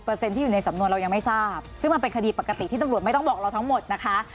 เปิด๒๐๑๐ในสำนวนหรือยังไม่ทราบซึ่งเป็นคดีปกติที่ถึงไม่ต้องบอกเราทั้งหมดนะคะ